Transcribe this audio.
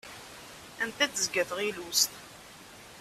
Anda d-tezga tɣilust?